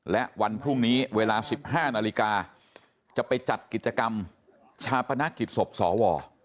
และวันพรุ่งนี้เวลา๑๕นาฬิกาจะไปจัดกิจกรรมชาปนกิจศพสว